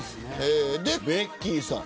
ベッキーさん